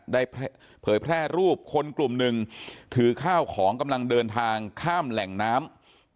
เผยแพร่รูปคนกลุ่มหนึ่งถือข้าวของกำลังเดินทางข้ามแหล่งน้ำ